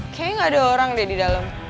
kayaknya nggak ada orang deh di dalam